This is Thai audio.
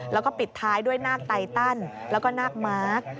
และปิดท้ายด้วยนาคไตตันและก็นาคม้าค